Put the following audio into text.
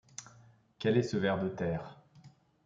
Quel est ce ver de terre ?